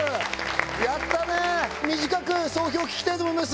やったね。短く総評聞きたいと思います。